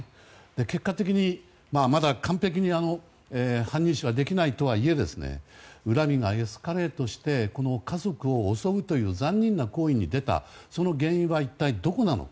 結果的に、まだ完璧に犯人視はできないとはいえ恨みがエスカレートしてこの家族を襲うという残忍な行為に出たその原因は、一体どこなのか。